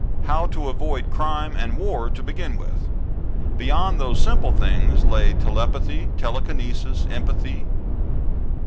How to avoid crime and war to begin with. Beyond those simple things lay telepathy, telekinesis, empathy....